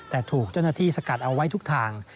แต่ถูกเจ้าหน้าที่สกัดเอาไว้ทุกทาง